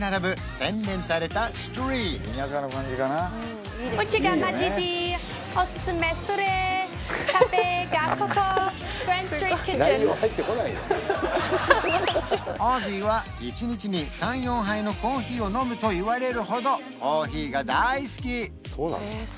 洗練されたストリートオージーは１日に３４杯のコーヒーを飲むといわれるほどコーヒーが大好き！